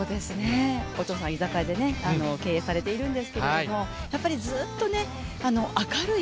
お父さん、居酒屋を経営されているんですけれどもやっぱり、ずっと明るい。